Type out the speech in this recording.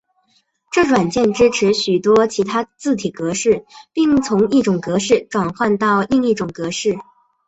这软件支持许多其他字体格式并从一种格式转换到另一种格式。